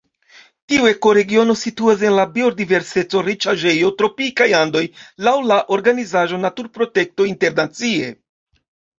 Tiu ekoregiono situas en la biodiverseco-riĉaĵejo Tropikaj Andoj laŭ la organizaĵo Naturprotekto Internacie.